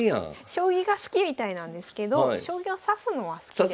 将棋が好きみたいなんですけど将棋を指すのは好きではないと。